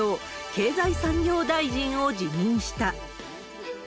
経済産業大臣を辞任した。